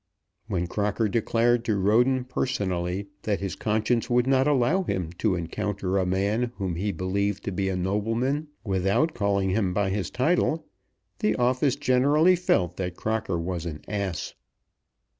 When Crocker declared to Roden personally that his conscience would not allow him to encounter a man whom he believed to be a nobleman without calling him by his title, the office generally felt that Crocker was an ass.